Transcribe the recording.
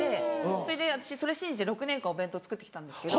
それで私それ信じて６年間お弁当作ってきたんですけど。